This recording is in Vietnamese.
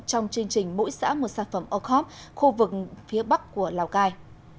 trong chương trình mũi xã một sản phẩm o cop khu vực phía bắc của lào cai